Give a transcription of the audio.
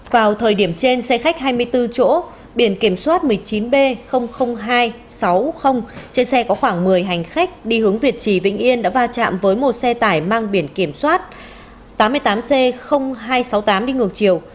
vào thời điểm trên xe khách hai mươi bốn chỗ biển kiểm soát một mươi chín b hai trăm sáu mươi trên xe có khoảng một mươi hành khách đi hướng việt trì vĩnh yên đã va chạm với một xe tải mang biển kiểm soát tám mươi tám c hai trăm sáu mươi tám đi ngược chiều